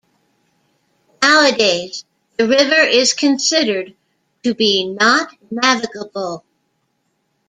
Nowadays the river is considered to be not navigable.